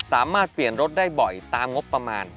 สามารถเปลี่ยนรถได้บ่อยตามงบประมาณ